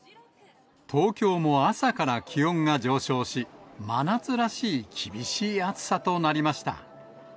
東京も朝から気温が上昇し、真夏らしい厳しい暑さとなりました。